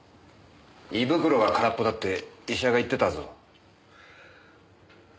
胃袋が空っぽだって医者が言ってたぞ。